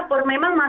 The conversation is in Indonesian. karena di triwunnya